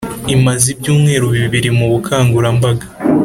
imaze ibyumweru bibiri mu bukangurambaga